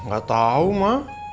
gak tau ma